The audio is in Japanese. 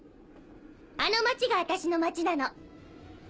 あの町が私の町なの。